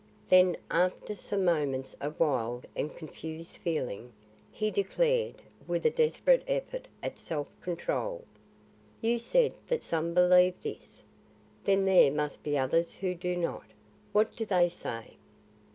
Then, after some moments of wild and confused feeling, he declared, with a desperate effort at self control: "You said that some believe this. Then there must be others who do not. What do they say?"